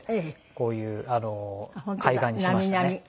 こういう海岸にしましたね。